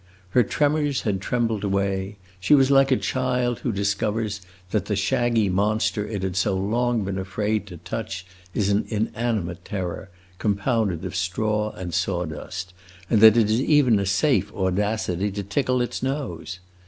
Her tremors had trembled away; she was like a child who discovers that the shaggy monster it has so long been afraid to touch is an inanimate terror, compounded of straw and saw dust, and that it is even a safe audacity to tickle its nose.